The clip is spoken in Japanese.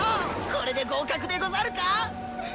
これで合格でござるか⁉う。